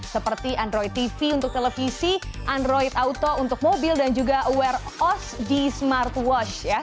seperti android tv untuk televisi android auto untuk mobil dan juga wear os di smart watch